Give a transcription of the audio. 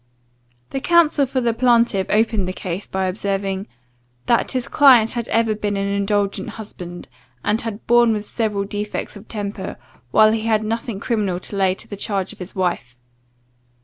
The counsel for the plaintiff opened the cause, by observing, "that his client had ever been an indulgent husband, and had borne with several defects of temper, while he had nothing criminal to lay to the charge of his wife.